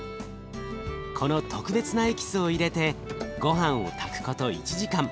この特別なエキスを入れてごはんを炊くこと１時間。